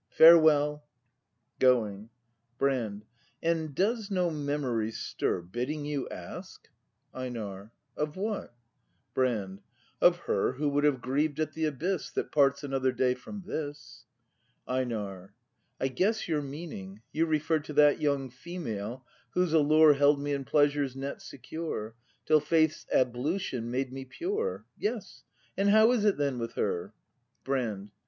— Farewell. [Going. Brand. And does no memory stir. Bidding you ask —? ACT V] BRAND 251 EiNAR. Of what ? Brand. . Of her Who would have grieved at the abyss, That parts another day from this. EiNAR. I guess your meaning; you refer To that young female, whose allure Held me in pleasure's net secure, Till Faith's ablution made me pure. — Yes, and how is it then with her? Brand.